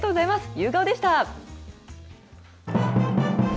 夕顔でした。